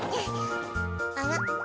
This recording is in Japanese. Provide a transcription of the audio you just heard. あら。